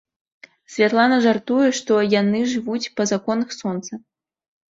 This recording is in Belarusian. Святлана жартуе, што яны жывуць па законах сонца.